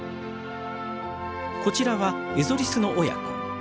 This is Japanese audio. こちらはエゾリスの親子。